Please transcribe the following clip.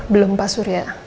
belum pak surya